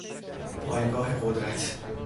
پایگاه قدرت